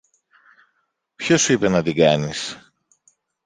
Ποιος σου είπε να την κάνεις;